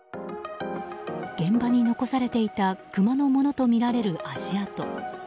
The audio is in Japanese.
現場に残されていたクマのものとみられる足跡。